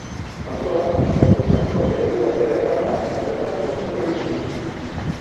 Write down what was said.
Autoan baztertutako eremu batera eraman eta bertan bortxatu egin zuten.